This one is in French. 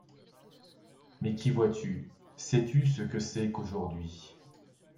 Mais qu’y vois-tu ? Sais-tu ce que c’est qu’Aujourd’hui ?